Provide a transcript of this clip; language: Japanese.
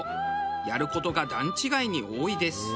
やる事が段違いに多いです。